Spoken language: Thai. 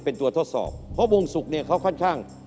เป็นตัวทดสอบเพราะวงศุกร์เนี่ยเขาค่อนข้าง